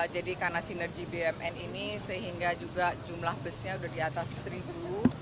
jadi karena sinergi bumn ini sehingga juga jumlah busnya sudah di atas seribu